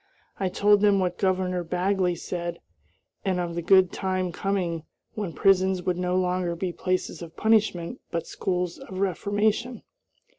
I told them what Governor Bagley said, and of the good time coming when prisons would no longer be places of punishment but schools of reformation.